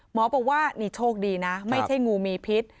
หมอบอกว่านี่โชคดีนะไม่ใช่งูมีพิษ